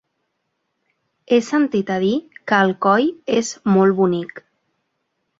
He sentit a dir que Alcoi és molt bonic.